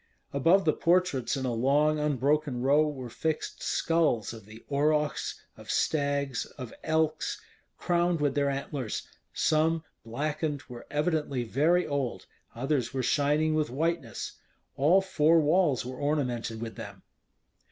Above the portraits in a long unbroken row were fixed skulls of the aurochs, of stags, of elks, crowned with their antlers: some, blackened, were evidently very old; others were shining with whiteness. All four walls were ornamented with them.